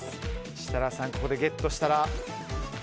設楽さん、ここでゲットしたら。